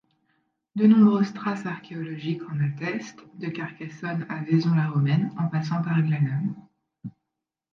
De nombreuses traces archéologiques en attestent de Carcassonne à Vaison-la-Romaine en passant par Glanum.